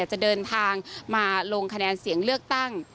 จะเดินทางมาลงคะแนนเสียงเลือกตั้ง